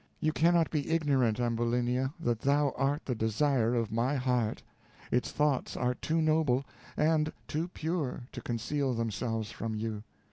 You cannot be ignorant, Ambulinia, that thou art the desire of my heart; its thoughts are too noble, and too pure, to conceal themselves from you.